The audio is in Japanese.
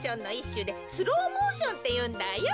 しゅでスローモーションっていうんだよ。